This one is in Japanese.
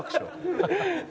ハハハハ。